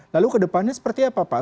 lalu ke depannya seperti apa pak